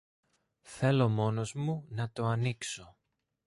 Θέλω μόνος μου να το ανοίξω.